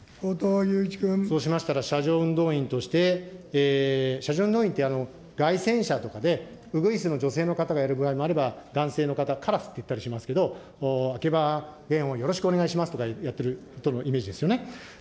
そうしましたら、車上運動員として、車上運動員って、街宣車とかで、ウグイスの女性の方がやる場合もあれば、男性の方、カラスって言ったりしますけど、秋葉賢也をよろしくお願いしますってやってる人のイメージですよね。